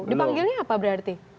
dipanggilnya apa berarti